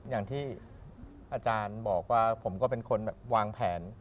อย่างที่อาจารย์บอกว่าผมก็เป็นคนแบบวางแผน